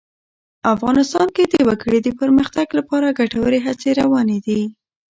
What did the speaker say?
افغانستان کې د وګړي د پرمختګ لپاره ګټورې هڅې روانې دي.